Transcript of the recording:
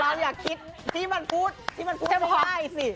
เราอย่าคิดที่มันพูดที่มันพูดแค่ป้ายสิ